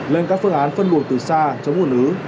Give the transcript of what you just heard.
lên các phương án phân luồng từ xa chống nguồn ứ